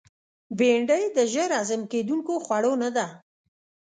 بېنډۍ د ژر هضم کېدونکو خوړو نه ده